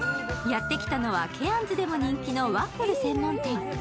やってきたのはケアンズでも人気のワッフル専門店。